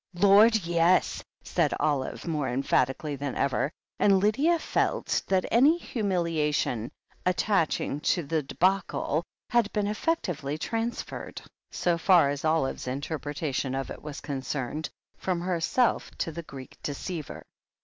"Lord, yes!" said Olive more emphatically than ever, and Lydia felt that any humiliation attaching to the debacle had been effectually transferred, so far as Hi THE HEEL OF ACHILLES 203 Olive's interpretation of it was concerned, from herself to the Greek deceiver.